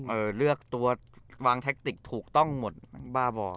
เลือกตัววางแท็กติกถูกต้องหมดบ้าบ่อ